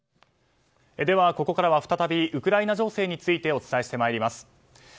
ではここからは再びウクライナ情勢についてお伝えしてまいります。